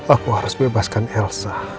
aku harus bebaskan elsa